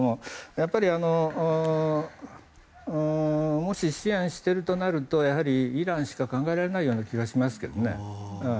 やっぱりもし、支援しているとなるとやはりイランしか考えられない気がしますけどね。